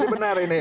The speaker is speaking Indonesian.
berarti benar ini